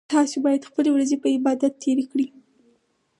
تاسو باید خپلې ورځې په عبادت تیرې کړئ